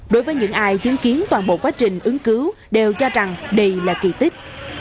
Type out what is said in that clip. đối với những ai chứng kiến toàn bộ quá trình ứng cứu đều cho rằng đây là kỳ tích